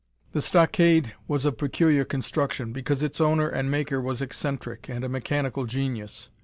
The stockade was of peculiar construction, because its owner and maker was eccentric, and a mechanical genius.